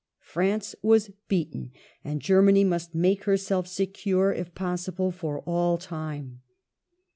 France was beaten and Germany must make herself secure, if possible, for all time.